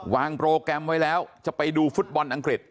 โปรแกรมไว้แล้วจะไปดูฟุตบอลอังกฤษ